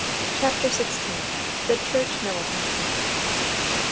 CHAPTER XVI. THE CHURCH MILITANT.